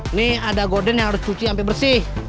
ini ada gorden yang harus cuci sampai bersih